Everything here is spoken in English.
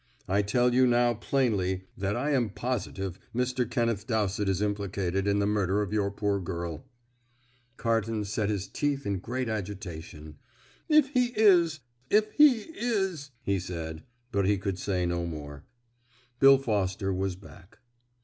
I tell you now plainly that I am positive Mr. Kenneth Dowsett is implicated in the murder of your poor girl." Carton set his teeth in great agitation. "If he is! if he is!" he said; but he could say no more. Bill Foster was back.